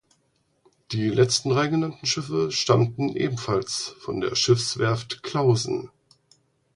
Die letzten drei genannten Schiffe stammten ebenfalls von der Schiffswerft Clausen.